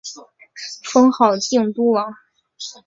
封号靖都王。